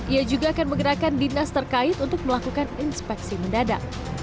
ia juga akan menggerakkan dinas terkait untuk melakukan inspeksi mendadak